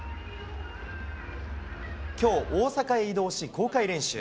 きょう、大阪へ移動し公開練習。